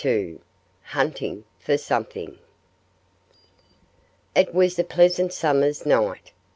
II HUNTING FOR SOMETHING It was a pleasant summer's night.